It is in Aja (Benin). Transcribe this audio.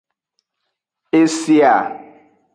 E se a.